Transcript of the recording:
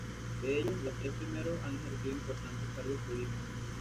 De ellos, los tres primeros han ejercido importantes cargos políticos.